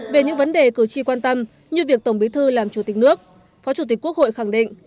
về những vấn đề cử tri quan tâm như việc tổng bí thư làm chủ tịch nước phó chủ tịch quốc hội khẳng định